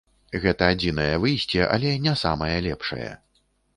Гэта адзінае выйсце, але не самае лепшае.